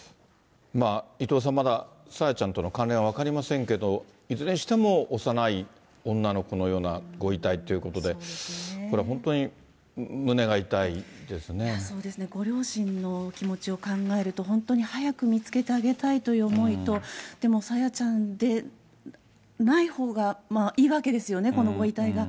伊藤さん、まだ朝芽ちゃんとの関連は分かりませんけど、いずれにしても、幼い女の子のようなご遺体ということで、これ本当に、そうですね、ご両親の気持ちを考えると、本当に早く見つけてあげたいという思いと、でも朝芽ちゃんでないほうがいいわけですよね、このご遺体が。